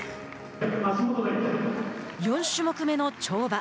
４種目めの跳馬。